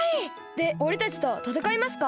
でおれたちとたたかいますか？